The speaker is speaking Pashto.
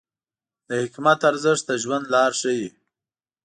د حکمت ارزښت د ژوند لار ښیي.